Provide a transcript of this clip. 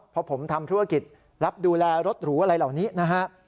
เพราะผมทำธุรกิจรับดูแลรถหรูอะไรเหล่านี้นะฮะ